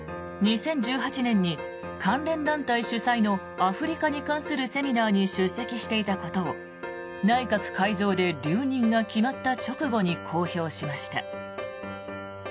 ２０１８年に関連団体主催のアフリカに関するセミナーに出席していたことを内閣改造で留任が決まった直後に公表しました。